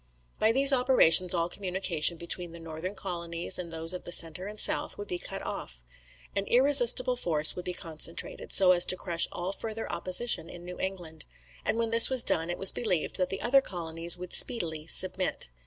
By these operations all communication between the northern colonies and those of the centre and south would be cut off. An irresistible force would be concentrated, so as to crush all further opposition in New England; and when this was done, it was believed that the other colonies would speedily submit.